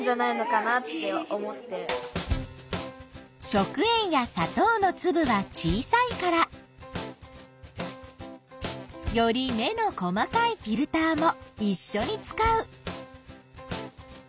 食塩やさとうのつぶは小さいからより目の細かいフィルターもいっしょに使う。